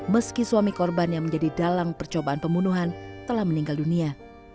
meski suami korban yang menjadi dalang percobaan pembunuhan telah meninggal dunia